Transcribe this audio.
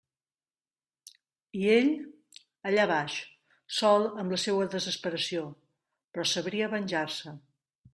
I ell... allà baix, sol amb la seua desesperació; però sabria venjar-se.